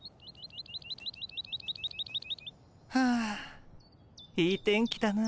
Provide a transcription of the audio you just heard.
はあいい天気だな。